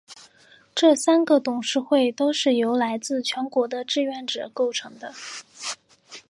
这三个董事会都是由来自全国的志愿者构成的。